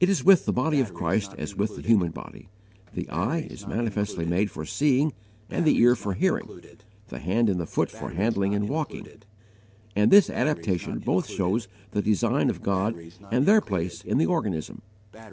It is with the Body of Christ as with the human body: the eye is manifestly made for seeing and the ear for hearing, the hand and foot for handling and walking; and this adaptation both shows the design of God and their place in the organism.